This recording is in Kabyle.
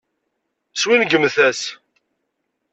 Swingmet-as.